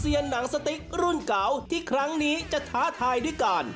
หนังสติ๊กรุ่นเก่าที่ครั้งนี้จะท้าทายด้วยกัน